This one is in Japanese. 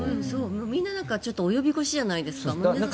みんな及び腰じゃないですか。